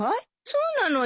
そうなのよ。